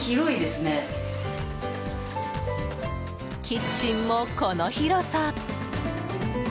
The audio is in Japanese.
キッチンもこの広さ。